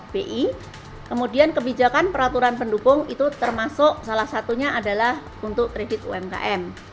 bi kemudian kebijakan peraturan pendukung itu termasuk salah satunya adalah untuk kredit umkm